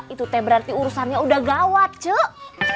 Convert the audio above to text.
itu berarti urusannya udah gawat cuy